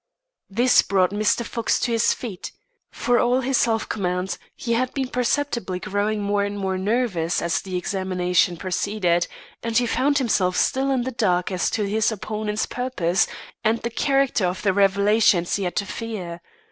This brought Mr. Fox to his feet. For all his self command, he had been perceptibly growing more and more nervous as the examination proceeded; and he found himself still in the dark as to his opponent's purpose and the character of the revelations he had to fear.